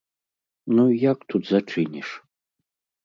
Ну, як тут зачыніш?